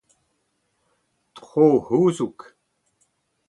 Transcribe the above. tro-c’houzoug